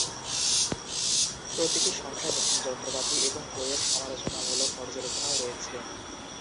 প্রতিটি সংখ্যায় নতুন যন্ত্রপাতি এবং বইয়ের সমালোচনামূলক পর্যালোচনাও রয়েছে।